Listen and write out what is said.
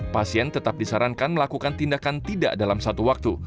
pasien tetap disarankan melakukan tindakan tidak dalam satu waktu